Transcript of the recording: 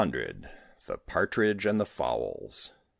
THE PARTRIDGE AND THE FOWLS.